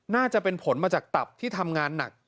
น่าจะเป็นผลมาจากตับที่ทำงานหนัก